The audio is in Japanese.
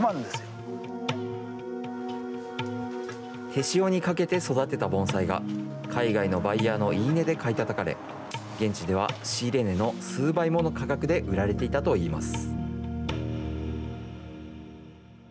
手塩にかけて育てた盆栽が、海外のバイヤーの言い値で買いたたかれ、現地では仕入れ値の数倍もの価格で売られていたといいます。